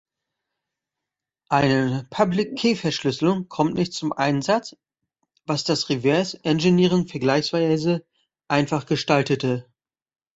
Eine Public-Key-Verschlüsselung kommt nicht zum Einsatz, was das Reverse Engineering vergleichsweise einfach gestaltete.